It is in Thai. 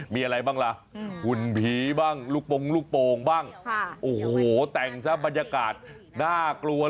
มาทั้งหุ่นมาทั้งภาพนะฮะ